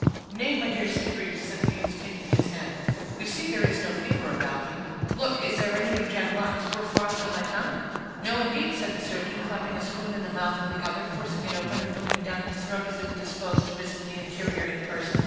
"Nay, my dear Sitgreaves," said the youth, taking his hand, "you see there is no fever about me; look, is there any of Jack Lawton's hoarfrost on my tongue?" "No, indeed," said the surgeon, clapping a spoon in the mouth of the other, forcing it open, and looking down his throat as if disposed to visit the interior in person.